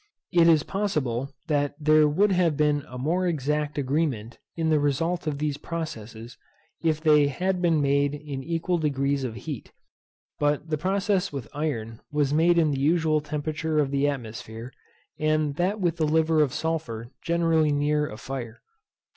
It is possible that there would have been a more exact agreement in the result of these processes, if they had been made in equal degrees of heat; but the process with iron was made in the usual temperature of the atmosphere, and that with liver of sulphur generally near a fire.